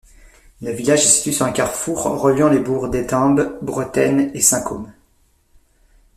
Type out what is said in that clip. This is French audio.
Le village est situé sur un carrefour reliant les bourgs d'Eteimbes, Bretten et Saint-Cosme.